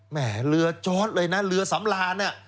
แหมเรือจอดเลยนะเหลือสำลาดนี่